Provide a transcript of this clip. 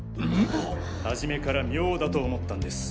初めから妙だと思ったんです。